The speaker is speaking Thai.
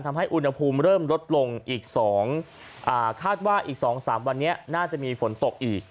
ทำให้อุณหภูมิเริ่มลดลงอีกคาดว่าอีก๒๓วันนี้น่าจะมีฝนตกอีก